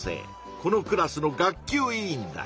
このクラスの学級委員だ。